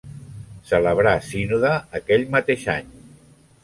Celebrà sínode aquell mateix any.